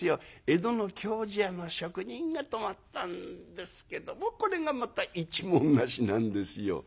江戸の経師屋の職人が泊まったんですけどもこれがまた一文無しなんですよ。